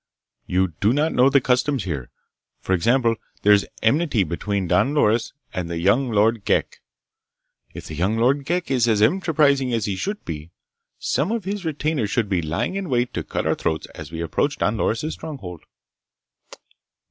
"You do not know the customs here. For example, there is enmity between Don Loris and the young Lord Ghek. If the young Lord Ghek is as enterprising as he should be, some of his retainers should be lying in wait to cut our throats as we approach Don Loris' stronghold."